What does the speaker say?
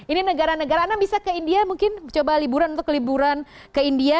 ini negara negara anda bisa ke india mungkin coba liburan untuk liburan ke india